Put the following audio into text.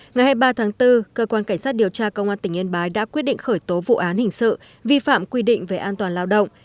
ngày hai mươi ba tháng bốn cơ quan cảnh sát điều tra công an tỉnh yên bái đã quyết định khởi tố vụ án hình sự vi phạm quy định về an toàn lao động